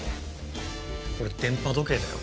これ電波時計だよ。